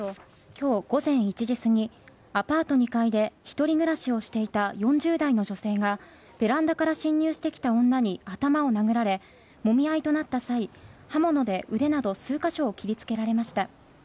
今日午前１時過ぎアパート２階で一人暮らしをしていた４０代の女性がベランダから侵入してきた女に頭を殴られもみ合いとなった際刃物で腕など数カ所を切りつけられました。